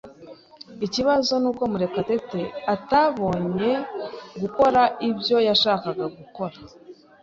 Ikibazo nuko Murekatete atabonye gukora ibyo yashakaga gukora.